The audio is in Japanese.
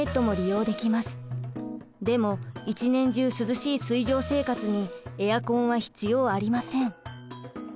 でも一年中涼しい水上生活にエアコンは必要ありません。